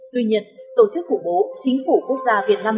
tuy nhiên tổ chức khủng bố chính phủ quốc gia việt nam